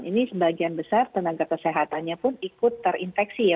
ini sebagian besar tenaga kesehatannya pun ikut terinfeksi ya